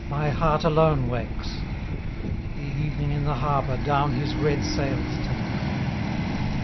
My heart alone wakes; TTie evening in the harbour Down his red sails takes.